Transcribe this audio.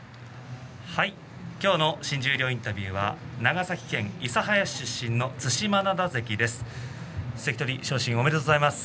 今日の新十両インタビューは長崎県諫早市出身の對馬洋関です。